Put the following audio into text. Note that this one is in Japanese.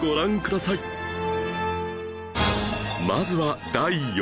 まずは第４位